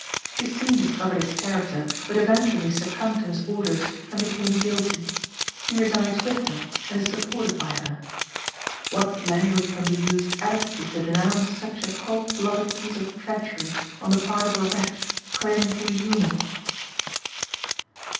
She soon discovered its character, but eventually succumbed to his orders, and became guilty. He resides with her, and is supported by her. What language can be used adequately to denounce such a cold blooded piece of treachery on the part of a wretch claiming to be human?